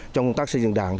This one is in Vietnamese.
trong công tác xây dựng đảng